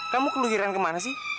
kamu keluhiran kemana sih